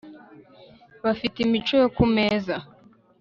bafite imico yo kumeza